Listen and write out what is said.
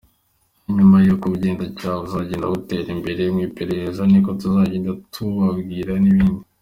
Nyuma uko ubugenzacyaha buzagenda butera imbere mu iperereza niko tuzagenda tubabwira n’ibindi.